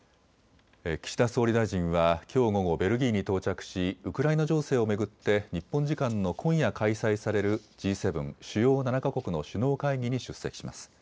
岸田総理大臣はきょう午後、ベルギーに到着しウクライナ情勢を巡って日本時間の今夜開催されるＧ７・主要７か国の首脳会議に出席します。